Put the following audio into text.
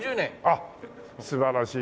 あっ素晴らしい。